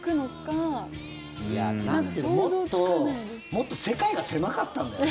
もっと世界が狭かったんだよね。